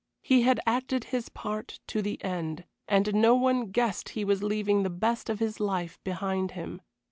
He had acted his part to the end, and no one guessed he was leaving the best of his life behind him.